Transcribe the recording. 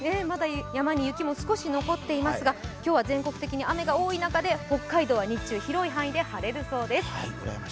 まだ山に少し雪も残っていますが今日は全国的に雨が多い中で北海道は日中広い範囲で晴れるそうです。